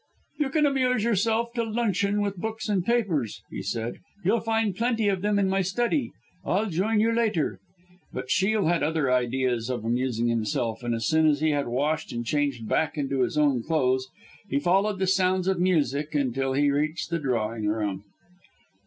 "You can amuse yourself till luncheon with books and papers," he said, "you'll find plenty of them in my study. I'll join you later." But Shiel had other ideas of amusing himself, and as soon as he had washed and changed back into his own clothes, he followed the sounds of music until he reached the drawing room.